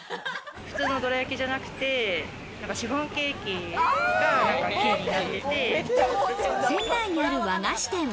普通のどら焼じゃなくて、シフォンケーキが生地になってて。